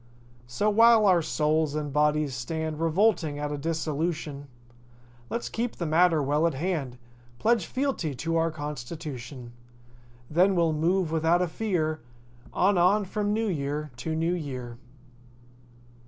So while our souls and bodies stand Revolting at a dissolution, Let's keep the matter well at hand— Pledge fealty to our constitution. Then we'll move without a fear On, on from New Year to New Year.